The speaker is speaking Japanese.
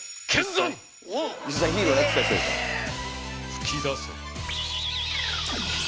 噴き出せ。